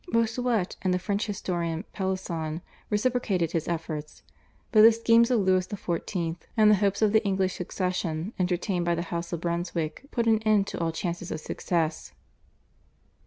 Bossuet and the French historian Pellisson reciprocated his efforts, but the schemes of Louis XIV. and the hopes of the English succession entertained by the House of Brunswick out an end to all chances of success.